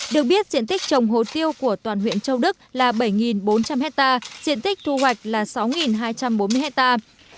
được biết diện tích trồng hồ tiêu của toàn huyện châu đức là bảy bốn trăm linh hectare diện tích thu hoạch là sáu hai trăm bốn mươi hectare